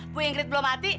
bu ingrid belum mati